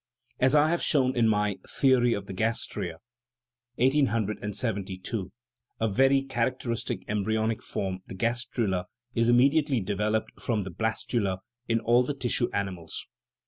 As I have shown in my The ory of the Gastraea (1872), a very characteristic embry onic form, the gastrula, is immediately developed from the blastula in all the tissue animals.